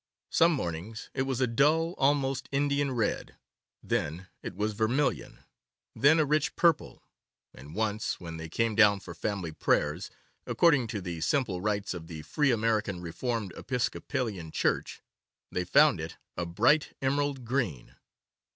Some mornings it was a dull (almost Indian) red, then it would be vermilion, then a rich purple, and once when they came down for family prayers, according to the simple rites of the Free American Reformed Episcopalian Church, they found it a bright emerald green.